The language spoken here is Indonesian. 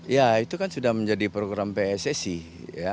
ya itu kan sudah menjadi program pssi